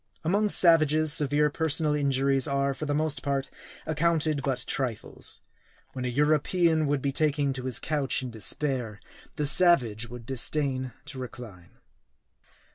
Among savages, severe personal injuries are, for the most part, accounted but trifles. When a European would be taking to his couch in despair, the savage would disdain to recline.